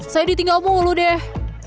saya ditinggal mulu deh